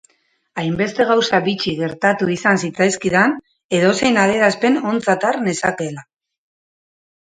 Hainbeste gauza bitxi gertatu izan zitzaizkidan edozein adierazpen ontzat har nezakeela.